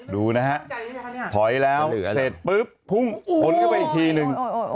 ดูนะฮะถอยแล้วเสร็จปุ๊บพุ่งชนเข้าไปอีกทีนึง